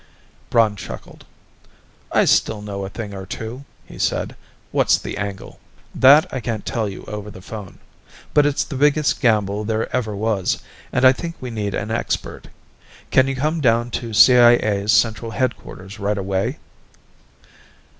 Braun chuckled. "I still know a thing or two," he said. "What's the angle?" "That I can't tell you over the phone. But it's the biggest gamble there ever was, and I think we need an expert. Can you come down to CIA's central headquarters right away?"